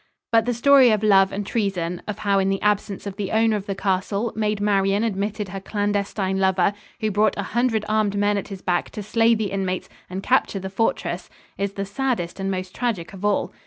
But the story of love and treason, of how in the absence of the owner of the castle, Maid Marion admitted her clandestine lover, who brought a hundred armed men at his back to slay the inmates and capture the fortress, is the saddest and most tragic of all.